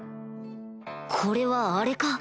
これはあれか